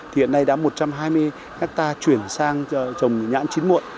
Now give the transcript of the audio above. thì hiện nay đã một trăm hai mươi hectare chuyển sang trồng nhãn chín muộn